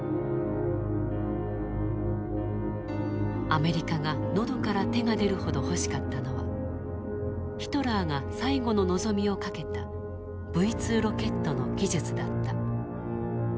アメリカが喉から手が出るほど欲しかったのはヒトラーが最後の望みを懸けたＶ２ロケットの技術だった。